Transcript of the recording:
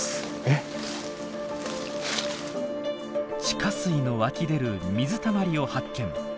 地下水の湧き出る水たまりを発見。